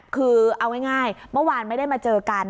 คือเอาง่ายเมื่อวานไม่ได้มาเจอกัน